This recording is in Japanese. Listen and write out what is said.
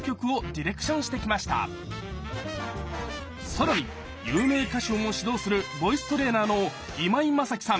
更に有名歌手をも指導するボイストレーナーの今井マサキさん